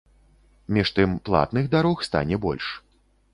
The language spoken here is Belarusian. Між тым, платных дарог стане больш.